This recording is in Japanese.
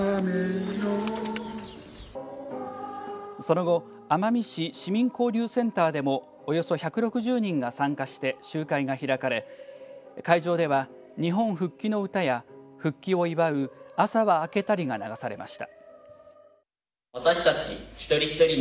その後奄美市市民交流センターでもおよそ１６０人が参加して集会が開かれ会場では日本復帰の歌や復帰を祝う朝はあけたりが流されました。